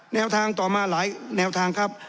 แนวทางต่อมาหลายแนวทางครับ